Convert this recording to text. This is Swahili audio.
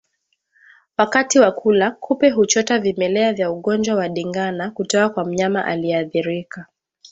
Wakati wa kula kupe huchota vimelea vya ugonjwa wa ndigana kutoka kwa mnyama aliyeathirika